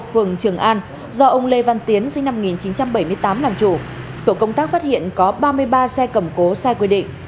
phường trường an do ông lê văn tiến sinh năm một nghìn chín trăm bảy mươi tám làm chủ tổ công tác phát hiện có ba mươi ba xe cầm cố sai quy định